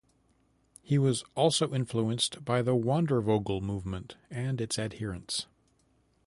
He was also influenced by the "Wandervogel" movement and its adherents.